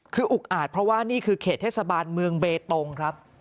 คืออุกอาจเพราะว่านี่คือเขตเทศบาลเมืองเบตงครับ